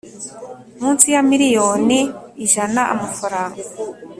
Munsi ya miliyoni ijana frw